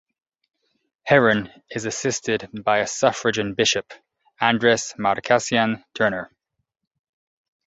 Herron is assisted by a suffragan bishop, Andreas Mar Cassian Turner.